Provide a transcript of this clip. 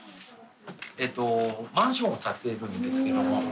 えっとマンションを建てるんですけども。